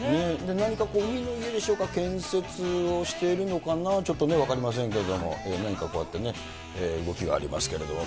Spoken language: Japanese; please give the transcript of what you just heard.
何か海の家でしょうか、建設をしているのかな、ちょっとね、分かりませんけれども、何かこうやってね、動きがありますけれども。